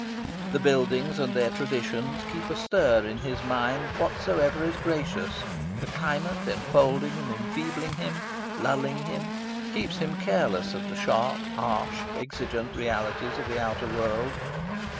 The buildings and their traditions keep astir in his mind whatsoever is gracious; the climate, enfolding and enfeebling him, lulling him, keeps him careless of the sharp, harsh, exigent realities of the outer world.